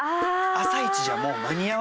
朝イチじゃもう間に合わないでしょ。